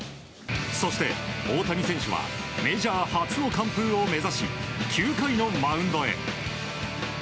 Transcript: そして、大谷選手はメジャー初の完封を目指し９回のマウンドへ。